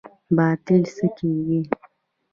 باطل څه کیږي؟